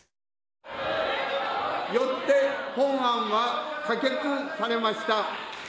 よって法案は可決されました。